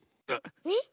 えっ？